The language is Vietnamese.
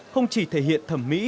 không chỉ thể hiện thẩm mỹ